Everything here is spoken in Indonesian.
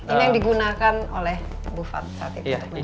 ini yang digunakan oleh bu fat saat itu